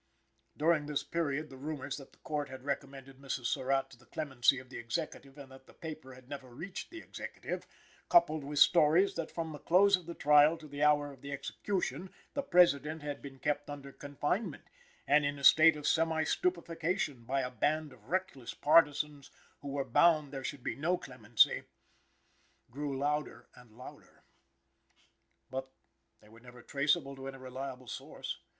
During this period, the rumors that the Court had recommended Mrs. Surratt to the clemency of the Executive and that the paper had never reached the Executive, coupled with stories that from the close of the trial to the hour of the execution the President had been kept under confinement and in a state of semi stupefaction by a band of reckless partisans who were bound there should be no clemency, grew louder and louder. But they were never traceable to any reliable source.